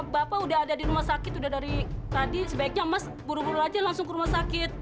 bapak udah ada di rumah sakit udah dari tadi sebaiknya mas buru buru aja langsung ke rumah sakit